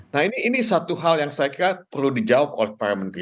nah ini satu hal yang saya kira perlu dijawab oleh para menteri